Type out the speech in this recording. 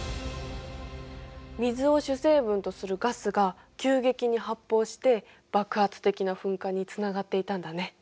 水を主成分とするガスが急激に発泡して爆発的な噴火につながっていたんだね。